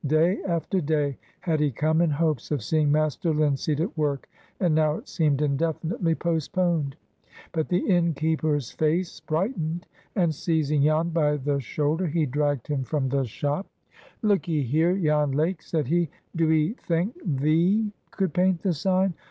Day after day had he come in hopes of seeing Master Linseed at work, and now it seemed indefinitely postponed. But the innkeeper's face brightened, and, seizing Jan by the shoulder, he dragged him from the shop. "Look 'ee here, Jan Lake," said he. "Do 'ee thenk thee could paint the sign?